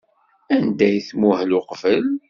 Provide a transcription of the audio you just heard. Anda ay tmuhel uqbel?